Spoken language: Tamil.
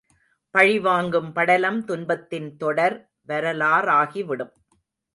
பழிவாங்கும் படலம் துன்பத்தின் தொடர் வரலாறாகிவிடும்.